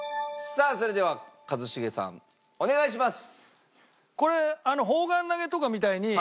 さあそれでは一茂さんお願いします！